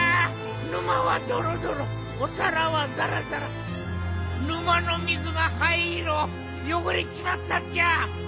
沼はドロドロおさらはザラザラ沼の水がはいいろよごれちまったっちゃ！